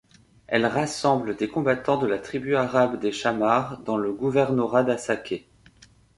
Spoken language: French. Elle rassemble des combattants de la tribu arabe des Chammar dans le gouvernorat d'Hassaké.